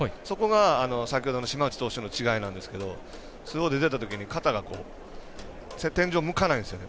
そこが先ほどの島内投手との違いなんですがスローで出たとき肩が天井に向かないんですね。